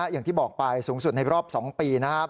อย่างที่บอกไปสูงสุดในรอบ๒ปีนะครับ